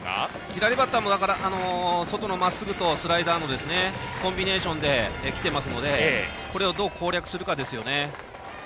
左バッターも外のまっすぐとスライダーのコンビネーションできていますのでこれをどう攻略するかですよね。